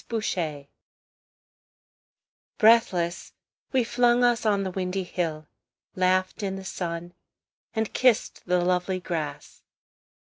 The Hill Breathless, we flung us on the windy hill, Laughed in the sun, and kissed the lovely grass.